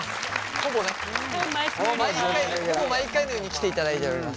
ほぼね毎回ほぼ毎回のように来ていただいております。